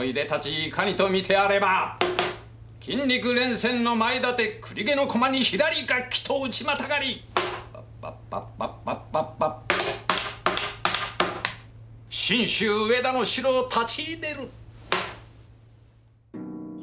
いかにと見てあれば金六連銭の前立て栗毛の駒にひらりがっきとうちまたがりパッパッパッパッパッパッパッパ信州上田の城をたちいでる！」。